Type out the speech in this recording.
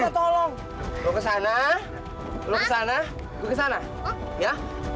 tolong kesana kesana kesana